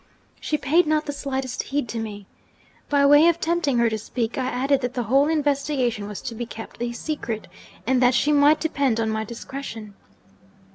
She paid not the slightest heed to me. By way of tempting her to speak, I added that the whole investigation was to be kept a secret, and that she might depend on my discretion.